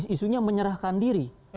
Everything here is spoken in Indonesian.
isunya menyerahkan diri